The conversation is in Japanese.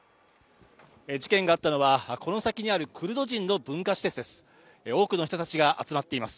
事件があったのはこの先にあるクルド人の文化施設です。